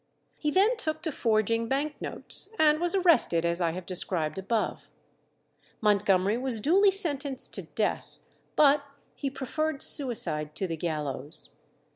He then took to forging bank notes, and was arrested as I have described above. Montgomery was duly sentenced to death, but he preferred suicide to the gallows.